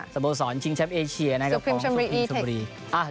สะโบสอนชิงแชมป์เอเชียสุพรีมชำบรี